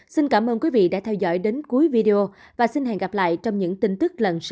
xin cảm ơn quý vị đã theo dõi đến cuối video và xin hẹn gặp lại trong những tin tức lần sau